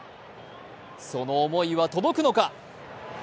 その思いは届くのか。